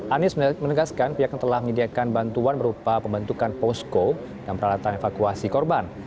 anies menegaskan pihaknya telah menyediakan bantuan berupa pembentukan posko dan peralatan evakuasi korban